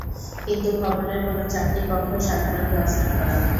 কিন্তু ভবনের কোন চারটি কক্ষ সাধারণ প্লাস্টার করা।